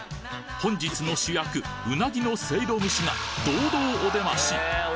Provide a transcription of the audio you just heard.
本日の主役うなぎのせいろ蒸しが堂々お出まし！